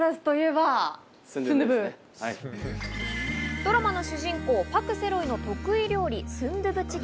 ドラマの主人公、パク・セロイの得意料理、スンドゥブチゲ。